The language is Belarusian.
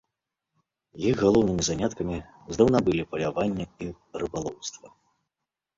Іх галоўнымі заняткамі здаўна былі паляванне і рыбалоўства.